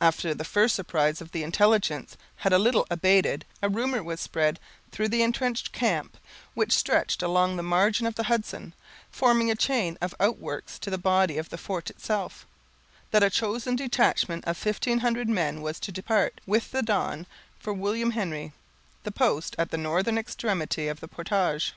After the first surprise of the intelligence had a little abated, a rumor was spread through the entrenched camp, which stretched along the margin of the Hudson, forming a chain of outworks to the body of the fort itself, that a chosen detachment of fifteen hundred men was to depart, with the dawn, for William Henry, the post at the northern extremity of the portage.